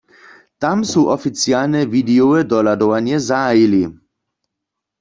Tam su oficialne widejowe dohladowanje zahajili.